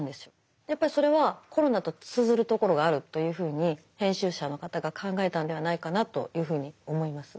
やっぱりそれはコロナと通ずるところがあるというふうに編集者の方が考えたんではないかなというふうに思います。